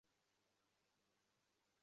কী খবর, হ্যান্ডসাম?